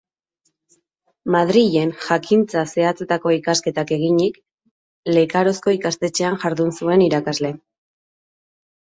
Madrilen Jakintza zehatzetako ikasketak eginik, Lekarozko ikastetxean jardun zuen irakasle.